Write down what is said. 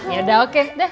ya udah oke